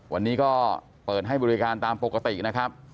วันนี้ก็เปิดให้บริการตามปกตินะครับ